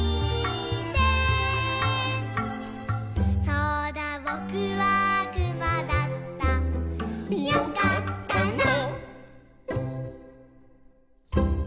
「そうだぼくはくまだった」「よかったな」